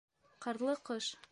Ҡарлы ҡыш